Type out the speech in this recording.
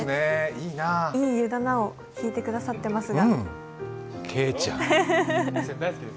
「いい湯だな」を、弾いてくださってますが。